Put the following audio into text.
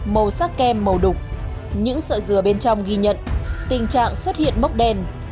màu sắc kèm màu đục những sợi dừa bên trong ghi nhận tình trạng xuất hiện mốc đen